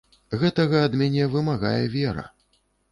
Гэтага ад мяне вымагае вера.